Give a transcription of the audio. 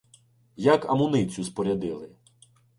Як амуницю спорядили